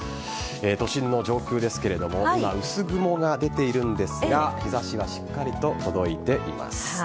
都心の上空ですが薄雲が出ているんですが日差しがしっかりと届いています。